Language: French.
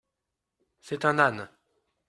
C’est un âne !